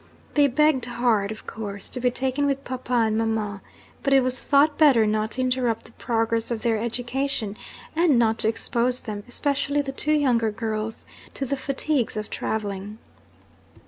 They begged hard, of course, to be taken with papa and mamma. But it was thought better not to interrupt the progress of their education, and not to expose them (especially the two younger girls) to the fatigues of travelling.